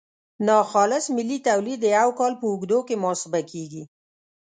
ناخالص ملي تولید د یو کال په اوږدو کې محاسبه کیږي.